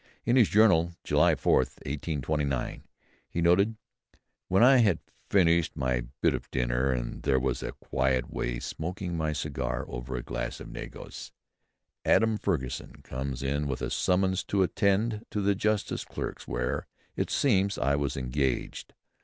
In his "Journal," July 4, 1829, he noted "When I had finished my bit of dinner, and was in a quiet way smoking my cigar over a glass of negus, Adam Ferguson comes with a summons to attend him to the Justice Clerk's, where, it seems, I was engaged.